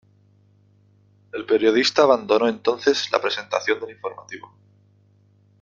El periodista abandonó entonces la presentación del informativo.